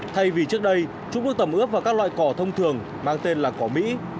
thay vì trước đây trung quốc tẩm ướp vào các loại cỏ thông thường mang tên là cỏ mỹ